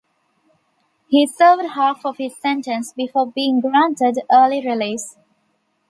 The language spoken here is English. He served half of this sentence before being granted early release.